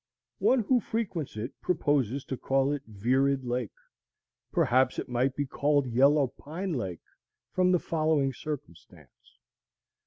One who frequents it proposes to call it Virid Lake. Perhaps it might be called Yellow Pine Lake, from the following circumstance.